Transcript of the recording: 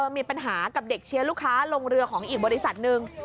มีปัญหากับเด็กเชียร์ลูกค้าลงเรือของอีกบริษัทหนึ่ง